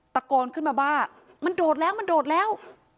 ตะโกนขึ้นมาว่ามันโดดแล้วมันโดดแล้ว